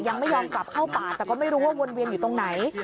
ยังไม่ยอมกลับเข้าป่าแต่ก็ไม่รู้ว่าวนเวียนอยู่ตรงไหน